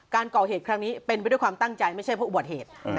การก่อเหตุครั้งนี้เป็นไปด้วยความตั้งใจไม่ใช่เพราะอุบัติเหตุ